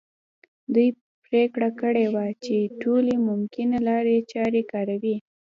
دوی پرېکړه کړې وه چې ټولې ممکنه لارې چارې کاروي.